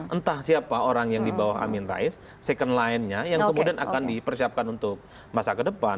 entah siapa orang yang di bawah amin rais second line nya yang kemudian akan dipersiapkan untuk masa ke depan